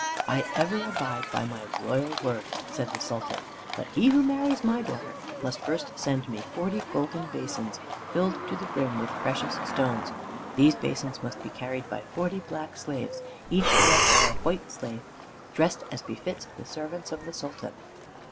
"I ever abide by my royal word," said the Sultan; "but he who marries my daughter must first send me forty golden basins filled to the brim with precious stones. These basins must be carried by forty black slaves, each led by a white slave dressed as befits the servants of the Sultan."